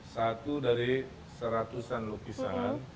satu dari seratusan lukisan